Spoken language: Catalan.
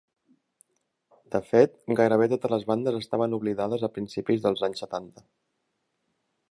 De fet, gairebé totes les bandes estaven oblidades a principis dels anys setanta.